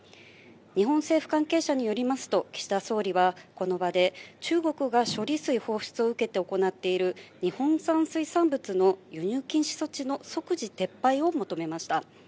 日本政府関係者によりますと、岸田総理はこの場で、中国が処理水放出を受けて行っている日本産水産物の輸入禁止措置の即時撤廃を求めました。